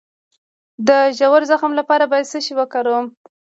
د ژور زخم لپاره باید څه شی وکاروم؟